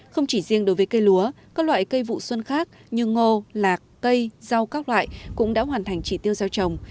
không chỉ riêng đối với cây lúa các loại cây vụ xuân khác như ngô lạc cây rau các loại cũng đã hoàn thành chỉ tiêu gieo trồng